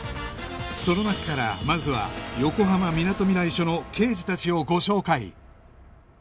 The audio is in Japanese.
その中からまずは横浜みなとみらい署の刑事たちをご紹介